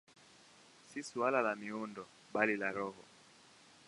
Si suala la miundo, bali la roho.